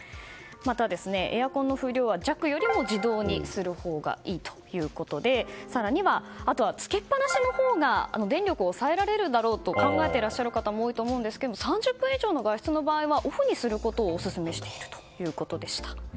また、エアコンの風量は弱より自動にするほうがいいということで更にはつけっぱなしのほうが電力抑えられると考えている方も多いと思うんですけども３０分以上の外出の場合はオフにすることをオススメしているということでした。